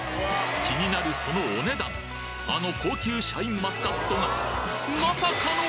気になるそのお値段あの高級シャインマスカットがまさかの！